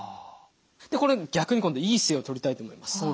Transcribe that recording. でこれ逆に今度いい姿勢をとりたいと思います。